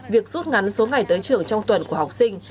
việc rút ngắn số ngày tới trường trong tuần của học sinh